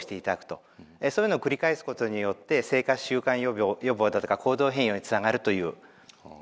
そういうのを繰り返すことによって生活習慣病予防だとか行動変容につながるというものなんです。